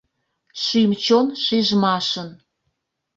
Шӱм-чон шижмашын